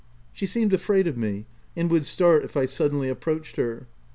She seemed afraid of me, and would start if I suddenly approached her.